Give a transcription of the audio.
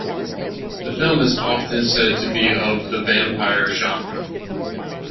The film is often said to be of the vampire genre.